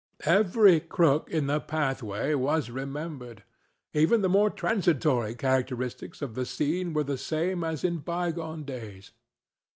Every crook in the pathway was remembered. Even the more transitory characteristics of the scene were the same as in by gone days.